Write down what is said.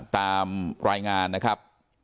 ตามรายงานนะครับ